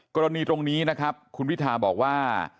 กรณีตรงนี้นะครับคุณพิทาบอกว่า